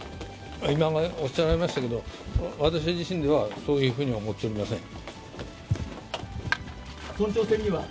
今おっしゃられましたけれども、私自身ではそういうふうに思っておりません。